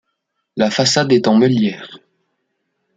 La façade est en meulière.